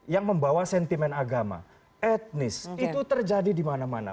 yang membawa sentimen agama etnis itu terjadi dimana mana